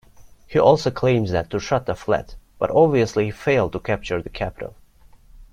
He also claims that Tushratta fled, but obviously he failed to capture the capital.